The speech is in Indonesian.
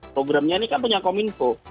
programnya ini kan punya kominfo